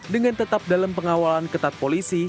dengan tetap dalam pengawalan ketat polisi